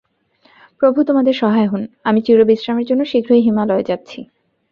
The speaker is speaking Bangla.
প্রভু তোমাদের সহায় হোন! আমি চিরবিশ্রামের জন্য শীঘ্রই হিমালয়ে যাচ্ছি।